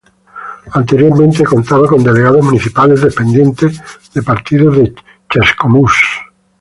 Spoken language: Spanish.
Anteriormente contaba con Delegados Municipales, dependientes de partido de Chascomús.